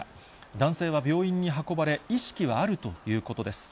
男性は病院に運ばれ、意識はあるということです。